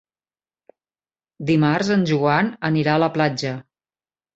Dimarts en Joan anirà a la platja.